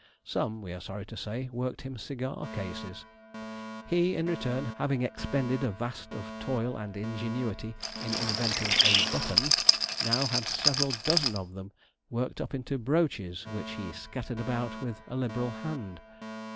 Some, we are sorry to say, worked him cigar cases. He, in return, having expended a vast of toil and ingenuity in inventing a 'button,' now had several dozen of them worked up into brooches, which he scattered about with a liberal hand.